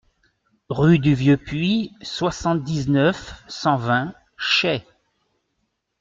Rue du Vieux Puit, soixante-dix-neuf, cent vingt Chey